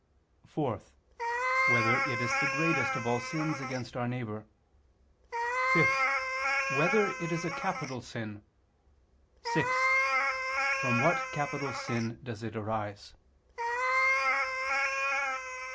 (4) Whether it is the greatest of all sins against our neighbor? (5) Whether it is a capital sin? (6) From what capital sin does it arise?